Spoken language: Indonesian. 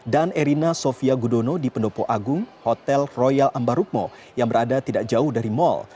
dan erina sofia gudono di pendopo agung hotel royal ambarukmo yang berada tidak jauh dari mall